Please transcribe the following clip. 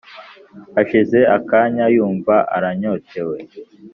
hashize akanya yumva aranyotewe,